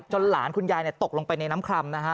หลานคุณยายตกลงไปในน้ำครำนะฮะ